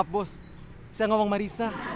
bukan sama risa